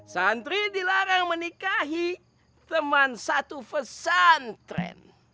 santri dilarang menikahi teman satu pesantren